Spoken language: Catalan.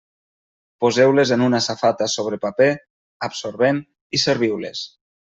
Poseu-les en una safata sobre paper absorbent i serviu-les.